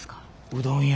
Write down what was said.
うどん屋。